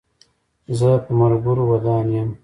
زه په ملګرو ودان یم.